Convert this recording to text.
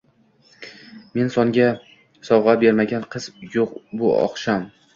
Men sovga bermagan qiz yuq bu oqshom